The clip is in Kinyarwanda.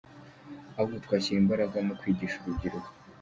Ahubwo twashyira imbaraga mu kwigisha urubyiruko.